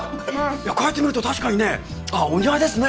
いやこうやって見ると確かにねああお似合いですね